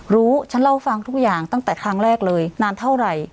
ฉันเล่าฟังทุกอย่างตั้งแต่ครั้งแรกเลยนานเท่าไหร่